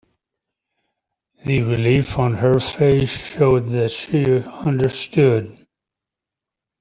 The relief on her face showed that she understood.